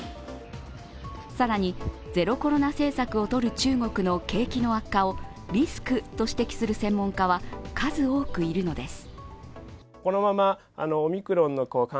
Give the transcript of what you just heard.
更にゼロコロナ政策を取る中国の景気の悪化をリスクを指摘する専門家は数多くいるのです。